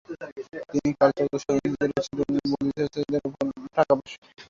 তিনি কালচক্র ও শান্তিদেব রচিত বোধিচর্যাবতারের ওপর টীকাভাষ্য রচনা করেন।